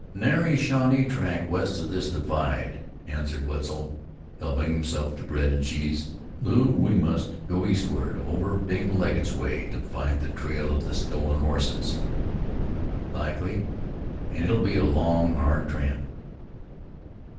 "Nary Shawnee track west of this divide," answered Wetzel, helping himself to bread and cheese. "Lew, we must go eastward, over Bing Legget's way, to find the trail of the stolen horses." "Likely, an' it'll be a long, hard tramp."